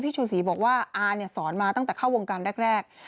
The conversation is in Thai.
ชูศรีบอกว่าอาเนี่ยสอนมาตั้งแต่เข้าวงการแรก